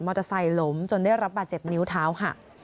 เตอร์ไซค์ล้มจนได้รับบาดเจ็บนิ้วเท้าหัก